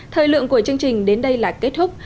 thời lượng của chương trình đến đây là kết thúc